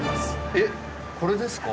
えっこれですか？